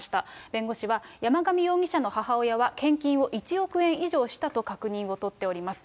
弁護士は、山上容疑者の母親は、献金を１億円以上したと確認を取っております。